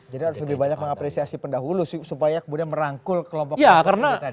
jadi harus lebih banyak mengapresiasi pendahulu supaya kemudian merangkul kelompok kelompok yang tadi